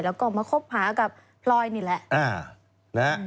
แล้วก็มาคบหากับพลอยนี่แหละ